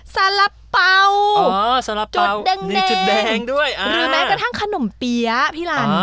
สาระเป๋าอ๋อสาระเป๋าจุดแดงแดงจุดแดงด้วยอ่าหรือแม้กระทั่งขนมเปี๊ยะพี่รันอ่า